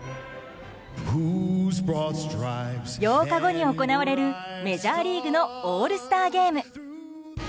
８日後に行われるメジャーリーグのオールスターゲーム。